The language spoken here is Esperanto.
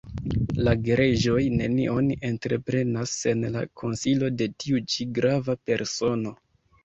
La gereĝoj nenion entreprenas sen la konsilo de tiu ĉi grava persono.